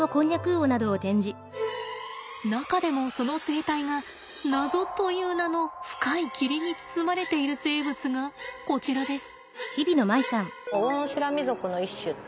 中でもその生態が謎という名の深い霧に包まれている生物がこちらです。